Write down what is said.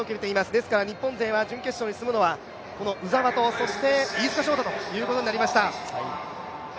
ですから日本勢は準決勝に進むのは鵜澤と飯塚翔太ということになりました。